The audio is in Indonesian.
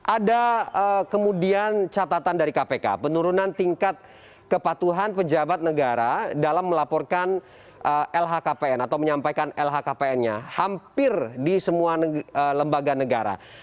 ada kemudian catatan dari kpk penurunan tingkat kepatuhan pejabat negara dalam melaporkan lhkpn atau menyampaikan lhkpn nya hampir di semua lembaga negara